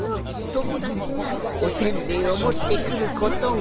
ともだちがおせんべいをもってくることがな。